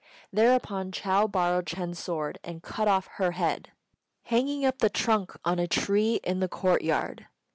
Thereupon Chou borrowed Ch'êng's sword and cut off her head, hanging up the trunk on a tree in the court yard.